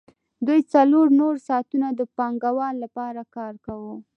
دوی څلور نور ساعتونه د پانګوال لپاره کار کاوه